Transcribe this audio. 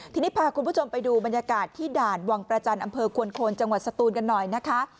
ทีนี้พาคุณผู้ชมไปดูบรรยากาศที่ด่านวังประจันทร์อำเภอควนโคนจังหวัดสตูนกันหน่อยนะคะ